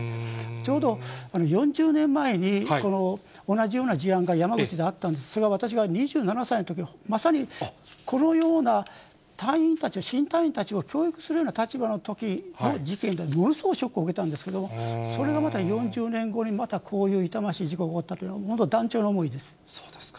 ちょうど４０年前に、同じような事案が山口であったんですが、それは私が２７歳のとき、まさにこのような、隊員たち、新隊員たちを教育するような立場のときの事件で、ものすごいショックを受けたんですけれども、それがまた４０年後にまたこういう痛ましい事故が起こったというのは、本当、そうですか。